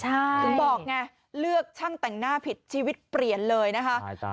ถึงบอกไงเลือกช่างแต่งหน้าผิดชีวิตเปลี่ยนเลยนะคะ